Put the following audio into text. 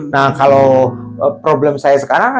nah kalau problem saya sekarang